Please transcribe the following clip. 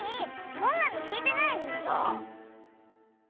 そんなのきいてないズルよ！